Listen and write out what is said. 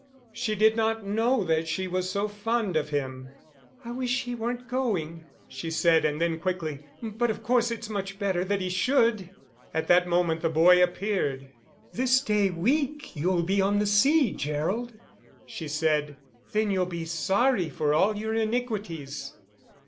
She did not know that she was so fond of him. "I wish he weren't going," she said, and then quickly: "but of course it's much better that he should!" At that moment the boy appeared. "This day week you'll be on the sea, Gerald," she said. "Then you'll be sorry for all your iniquities."